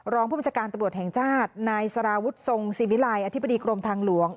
รองผู้บัญชาการตำรวจแห่งชาตินายสารวุฒิทรงสิวิลัยอธิบดีกรมทางหลวง